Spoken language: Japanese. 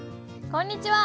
こんにちは。